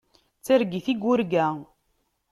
D targit i yurga.